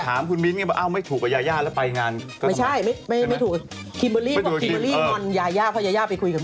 เขาบอกที่ที่ที่มิ้นท์ไปงานไปงานอะไรแล้วแล้วแล้วแล้วปุ่มกับยาย่าน่ะ